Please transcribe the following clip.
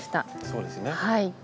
そうですね。